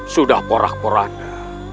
sudah porak porak anda